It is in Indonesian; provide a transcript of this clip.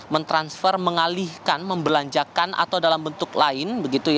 mentransfer mengalihkan membelanjakan atau dalam bentuk lain